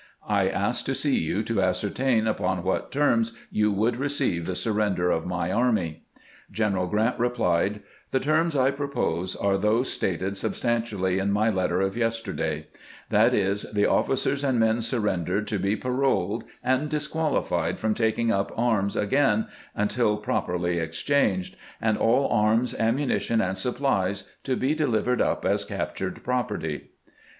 I asked to see you to ascertain upon what terms you would receive the surrender of my army." General Grant replied :" The terms I pro pose are those stated substan tially in my letter of yesterday ; that is, the oflB.cers and men sur rendered to be paroled and dis qualified from taking up arms again until properly exchanged, and all arms, ammunition, and supplies to be delivered up as table on which gbant weote , T /.. T ITT THE ABTICLES OF StTEEENDEK. captured property."